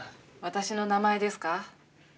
私の名前ですか？